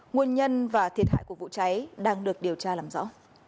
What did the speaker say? nguồn nhân và thiệt hại của vụ cháy đang được điều tra làm rõ